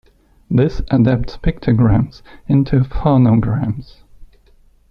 This adapts pictograms into phonograms.